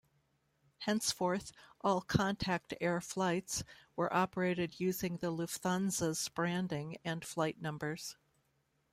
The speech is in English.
Henceforth, all Contact Air flights were operated using the Lufthansas branding and flight numbers.